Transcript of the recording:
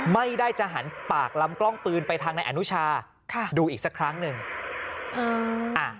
ไม่ได้จะหันปากลำกล้องปืนไปทางนายอนุชาค่ะดูอีกสักครั้งหนึ่งอืมอ่า